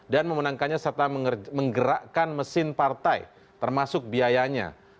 dan memenangkannya serta menggerakkan mesin partai termasuk biayanya